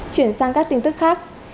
chuyển sang các tin tức khác